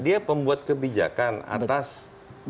dia pembuat kebijakan atas kebijakan yang dibuat oleh presiden